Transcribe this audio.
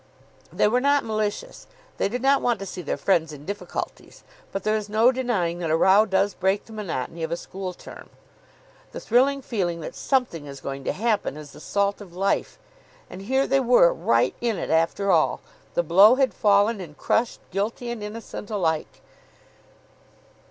They were not malicious. They did not want to see their friends in difficulties. But there is no denying that a row does break the monotony of a school term. The thrilling feeling that something is going to happen is the salt of life.... And here they were, right in it after all. The blow had fallen, and crushed guilty and innocent alike.